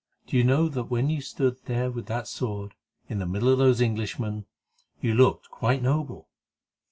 Do you know that when you stood there with that sword, in the middle of those Englishmen, you looked quite noble?